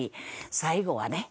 最後はね。